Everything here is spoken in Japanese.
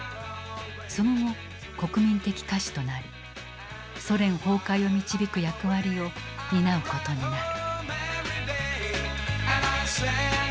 その後国民的歌手となりソ連崩壊を導く役割を担うことになる。